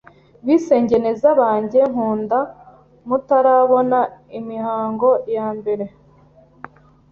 bisengeneza bange nkunda mutarabona imihango ya mbere,